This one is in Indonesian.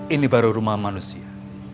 ini baru rumah manusia